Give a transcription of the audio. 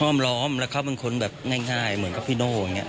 ้อมล้อมแล้วเขาเป็นคนแบบง่ายเหมือนกับพี่โน่อย่างนี้